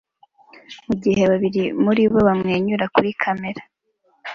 mugihe babiri muri bo bamwenyura kuri kamera